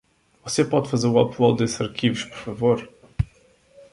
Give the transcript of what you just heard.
Você pode fazer o upload desses arquivos, por favor?